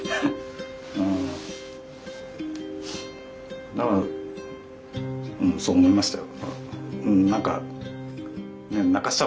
うんだからうんそう思いましたよ。